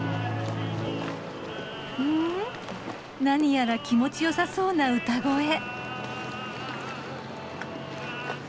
なにやら気持ちよさそうな歌声。